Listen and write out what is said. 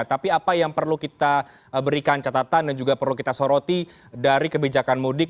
tapi apa yang perlu kita berikan catatan dan juga perlu kita soroti dari kebijakan mudik